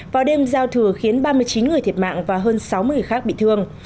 vào đêm giao thừa khiến ba mươi chín người thiệt mạng và hơn sáu mươi người khác bị thương